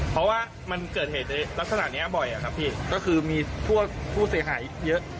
เพราะว่ามันเกิดเหตุในลักษณะนี้บ่อยอะครับพี่ก็คือมีพวกผู้เสียหายเยอะ